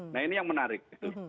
nah ini yang menarik